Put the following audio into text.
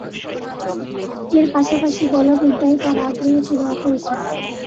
এর পাশাপাশি বলবিদ্যায় তাঁর আগ্রহ ছিল অপরিসীম।